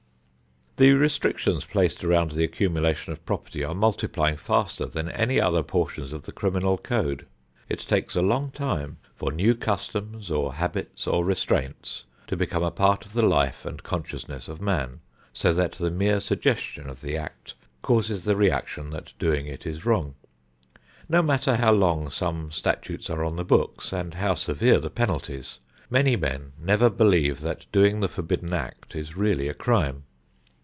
The restrictions placed around the accumulation of property are multiplying faster than any other portions of the criminal code. It takes a long time for new customs or habits or restraints to become a part of the life and consciousness of man so that the mere suggestion of the act causes the reaction that doing it is wrong. No matter how long some statutes are on the books, and how severe the penalties, many men never believe that doing the forbidden act is really a crime.